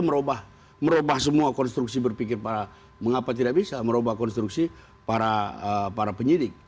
merubah semua konstruksi berpikir para mengapa tidak bisa merubah konstruksi para penyidik